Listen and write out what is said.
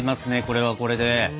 これはこれで。